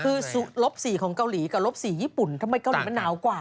คือลบ๔ของเกาหลีกับลบ๔ญี่ปุ่นทำไมเกาหลีมันหนาวกว่า